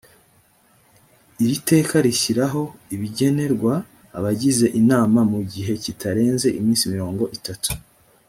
iri teka rishyiraho ibigenerwa abagize inama mu gihe kitarenze iminsi mirongo itatu